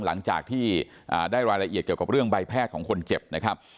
หลังจากที่ได้รายละเอียดเกี่ยวกับเรื่องใบแพทย์ของคนเจ็บนะครับ